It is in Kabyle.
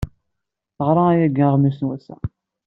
Teɣra yagi aɣmis n wass-a.